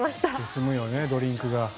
進むよね、ドリンクが。